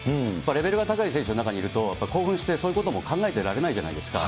レベルが高い選手が中にいると、やっぱり興奮して、そういうことも考えていられないじゃないですか。